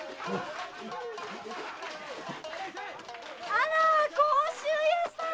あらぁ甲州屋さん！